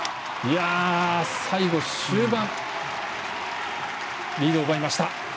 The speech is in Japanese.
最後、終盤、リードを奪いました。